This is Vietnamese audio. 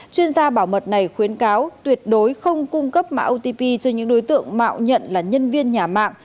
chuyên gia bảo mật này khuyến cáo tuyệt đối không cung cấp mã otp cho những đối tượng mạo nhận là nhân viên nhà mạng